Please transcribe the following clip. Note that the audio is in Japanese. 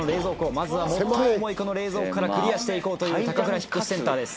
まずは最も重いこの冷蔵庫からクリアして行こうというたかくら引越センターです。